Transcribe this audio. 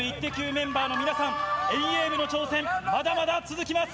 メンバーの皆さん、遠泳部の挑戦、まだまだ続きます。